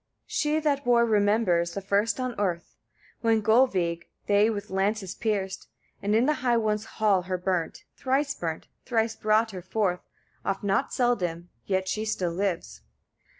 25. She that war remembers, the first on earth, when Gullveig they with lances pierced, and in the high one's hall her burnt, thrice burnt, thrice brought her forth, oft not seldom; yet she still lives.